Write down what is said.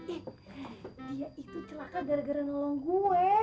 eh dia itu celaka gara gara nolong gue